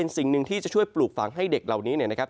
สิ่งหนึ่งที่จะช่วยปลูกฝังให้เด็กเหล่านี้เนี่ยนะครับ